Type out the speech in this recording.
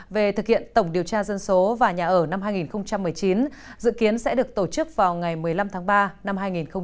về thực hiện tổng điều tra dân số và nhà ở năm hai nghìn một mươi chín dự kiến sẽ được tổ chức vào ngày một mươi năm tháng ba năm hai nghìn hai mươi